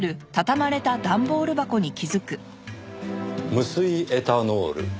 無水エタノール。